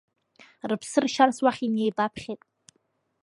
Рыԥсы ршьарц уахь инеибаԥхьеит.